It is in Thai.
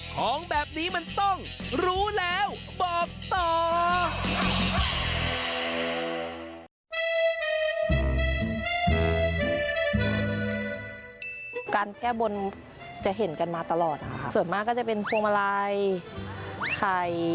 การแก้บนจะเห็นกันมาตลอดนะครับส่วนมากก็จะเป็นพวงมาลัยไข่